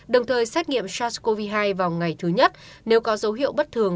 đồng thời xét nghiệm sars cov hai vào ngày thứ nhất nếu có dấu hiệu bất thường